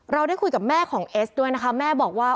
เราได้คุยกับแม่ของเอสด้วยนะคะแม่บอกว่า